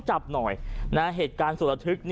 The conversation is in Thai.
จับหน่อยเหตุการณ์สุดระทึก